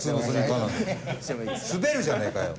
滑るじゃねえかよ！